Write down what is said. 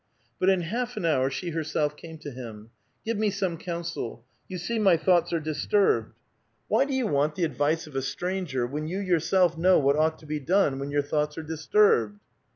But in half an hour she herself came to him. "Give me some counsel; you see my thoughts are dis turbed." " Why do you want the advice of a stranger when you .yourself know what ought to be done when your thoughts are disturbed."